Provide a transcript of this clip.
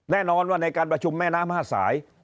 แน่นอนว่าในการประชุมแม่น้ำ๕สาย